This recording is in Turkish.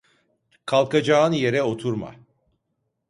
Kalkacağın yere oturma.